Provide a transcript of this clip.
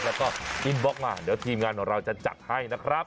แล้วก็อินบล็อกมาเดี๋ยวทีมงานของเราจะจัดให้นะครับ